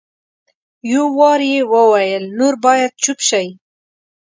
یو وار یې وویل نور باید چپ شئ.